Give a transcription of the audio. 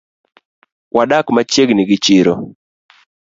Wadak machiegni gi chiro